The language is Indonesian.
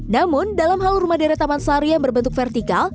namun dalam hal rumah deret taman sari yang berbentuk vertikal